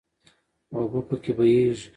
اوبه پکې بهیږي.